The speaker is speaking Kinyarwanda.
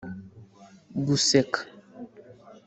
guseka